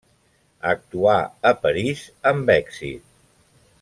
Actuà a París amb èxit.